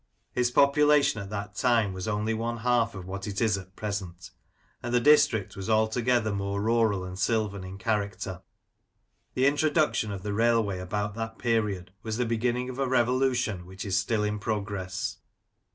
Its population at that time was only one half what it is at present, and the district was altogether more rural and sylvan in character. The introduction of the railway about that period was the beginning of a revolution which is still in progress.